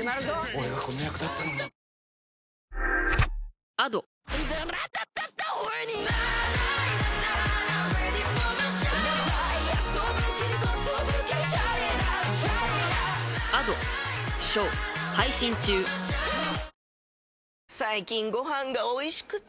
俺がこの役だったのに最近ご飯がおいしくて！